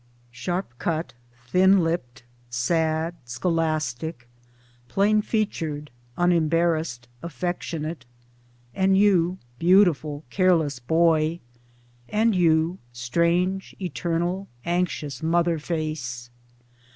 Sharp cut, thin lipped, sad, scholastic ; plain featured, 72 Towards Democracy unembarrassed, affectionate ; and you, beautiful careless boy ! and you, strange eternal anxious mother face